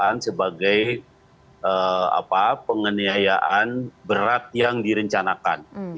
dan diperhitungkan dakwaan sebagai penganiayaan berat yang direncanakan